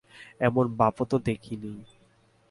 এমন বাপও তো দেখি নি।